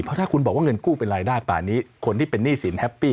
เพราะถ้าคุณบอกว่าเงินกู้เป็นรายได้